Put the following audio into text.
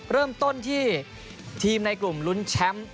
เริ่มต้นที่ทีมในกลุ่มลุ้นแชมป์